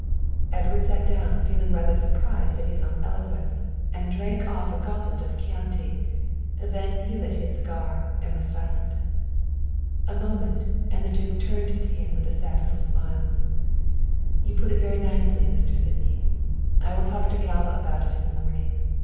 Edward sat down feeling rather surprised at his own eloquence, and drank off a goblet of Chianti. Then he lit a cigar and was silent. A moment, and the duke turned to him with a sad little smile. "You put it very nicely, Mr. Sydney. I'll talk to Galva about it in the morning.